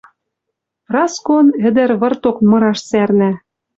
Праскон ӹдӹр вырток мыраш цӓрнӓ.